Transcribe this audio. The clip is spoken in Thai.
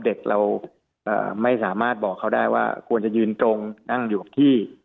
เด็กเราไม่สามารถบอกเขาได้ว่าควรจะยืนตรงนั่งอยู่กับที่